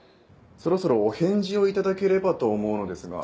そろそろお返事を頂ければと思うのですが。